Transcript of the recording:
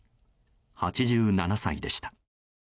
８７歳でした。